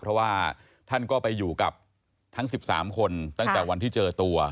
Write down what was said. เพราะว่าท่านก็ไปอยู่กับทั้ง๑๓คนตั้งแต่วันที่เจอตัว